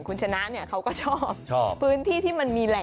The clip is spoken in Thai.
คุณจนตัวเค้าก็ชอบ